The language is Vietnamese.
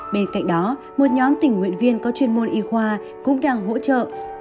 bên cạnh đó một nhóm tình nguyện viên có chuyên môn y khoa cũng đang hỗ trợ